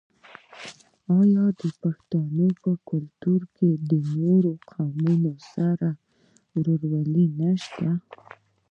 آیا د پښتنو په کلتور کې د نورو قومونو سره ورورولي نشته؟